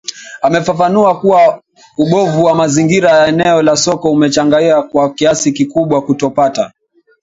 Amefafanua kuwa ubovu wa mazingira ya eneo la soko umechangia kwa kiasi kikubwa kutopata